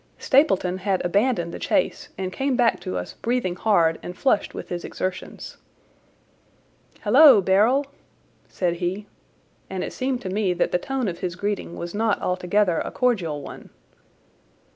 Stapleton had abandoned the chase and came back to us breathing hard and flushed with his exertions. "Halloa, Beryl!" said he, and it seemed to me that the tone of his greeting was not altogether a cordial one.